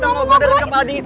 kita ngobrol dari kepala di